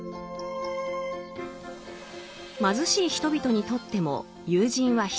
貧しい人々にとっても友人は必要だ。